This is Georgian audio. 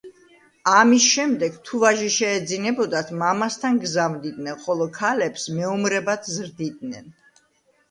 ამის შემდეგ, თუ ვაჟი შეეძინებოდათ, მამასთან გზავნიდნენ, ხოლო ქალებს მეომრებად ზრდიდნენ.